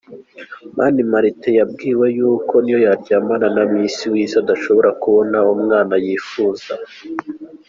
Mani Martin yabwiwe ko niyo yaryamana na Miss w’ isi adashobora kubona umwana yifuza .